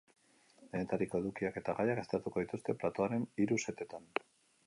Denetariko edukiak eta gaiak aztertuko dituzte platoaren hiru setetan.